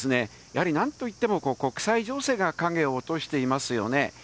やはりなんといっても、国際情勢が影を落としていますよね。